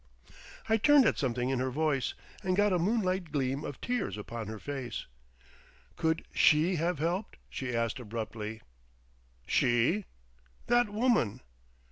I turned at something in her voice, and got a moon light gleam of tears upon her face. "Could she have helped?" she asked abruptly. "She?" "That woman."